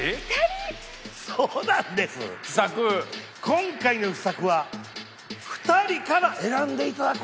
今回の秘策は２人から選んでいただこうと思います。